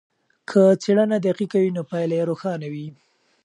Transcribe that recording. که څېړنه دقیقه وي نو پایله یې روښانه وي.